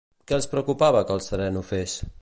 Què els preocupava que el sereno fes?